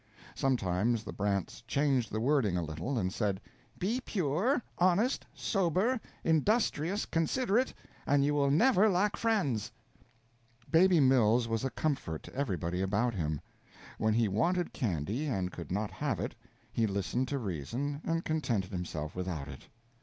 Sometimes the Brants changed the wording a little, and said: "Be pure, honest, sober, industrious, considerate, and you will never lack friends." Baby Mills was a comfort to everybody about him. When he wanted candy and could not have it, he listened to reason, and contented himself without it.